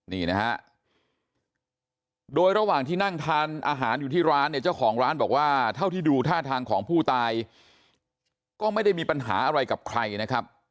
นี่นะฮะโดยระหว่างที่นั่งทานอาหารอยู่ที่ร้านเนี่ยเจ้าของร้านบอกว่าเท่าที่ดูท่าทางของผู้ตายก็ไม่ได้มีปัญหาอะไรกับใครนะครับ